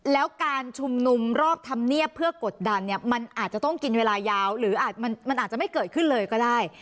แล้วการชุมนุมรอบธรรมเนียบเพื่อกดดันเนี่ยมันอาจจะต้องกินเวลายาวหรือมันอาจจะไม่เกิดขึ้นเลยก็ได้